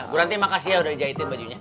bu ranti makasih ya udah dijahitin bajunya